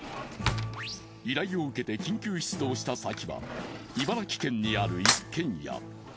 依頼を受けて緊急出動した先は茨城県にある一軒家。